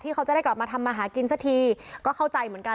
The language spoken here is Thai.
เขาจะได้กลับมาทำมาหากินสักทีก็เข้าใจเหมือนกัน